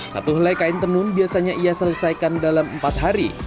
satu helai kain tenun biasanya ia selesaikan dalam empat hari